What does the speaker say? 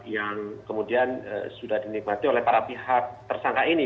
yang kemudian sudah dinikmati oleh para pihak tersangka ini